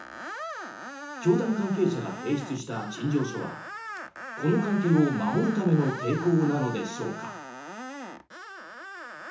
教団関係者が提出した陳情書はこの関係を守るための抵抗なのでしょうか。